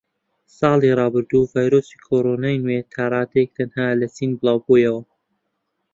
ساڵی ڕابردوو ڤایرۆسی کۆرۆنای نوێ تاڕادەیەک تەنها لە چین بڵاوبوویەوە